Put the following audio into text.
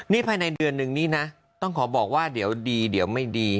นี่ภายในเดือนนึงนี่นะต้องขอบอกว่าเดี๋ยวดีเดี๋ยวไม่ดี